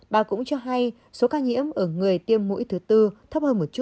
bà cũng cho hay số ca nhiễm ở người tiêm mũi thứ tư thấp hơn một chút